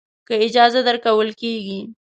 که اجازه درکول کېږي.